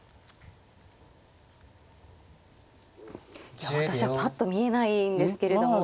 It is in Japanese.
いや私はぱっと見えないんですけれども。